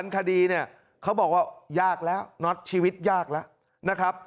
คดีเนี่ยเขาบอกว่ายากแล้วน็อตชีวิตยากแล้วนะครับ